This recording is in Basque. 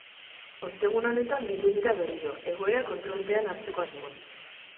Ostegun honetan bildu dira berriro, egoera kontrolpean hartzeko asmoz.